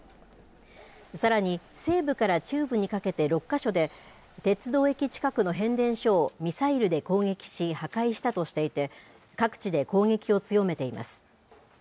さらに、西部から中部にかけて６か所で、鉄道駅近くの変電所をミサイルで攻撃し、破壊したとしていて、各地で攻撃を強めています。